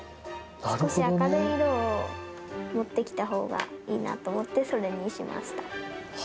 少し明るい色をもってきたほうがいいなと思って、それにしました。